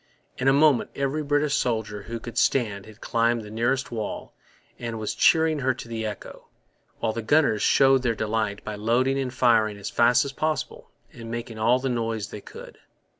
In a moment every British soldier who could stand had climbed the nearest wall and was cheering her to the echo; while the gunners showed their delight by loading and firing as fast as possible and making all the noise they could.